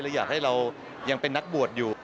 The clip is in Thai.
อยากให้เรายังเป็นนักบวชอยู่